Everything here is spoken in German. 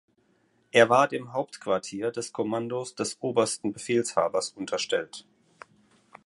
Er war dem Hauptquartier des Kommandos des Obersten Befehlshabers unterstellt.